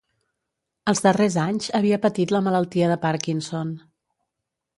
Els darrers anys havia patit la malaltia de Parkinson.